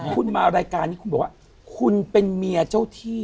คุณมารายการนี้คุณบอกว่าคุณเป็นเมียเจ้าที่